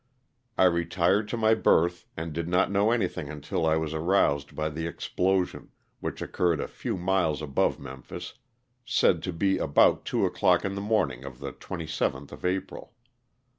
I retired to my berth and did not know anything until I was aroused by the explosion, which occurred a few miles above Memphis, said to be about two o'clock in the morning of the 27th of April.